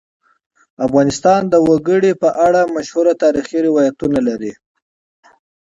افغانستان د وګړي په اړه مشهور تاریخی روایتونه لري.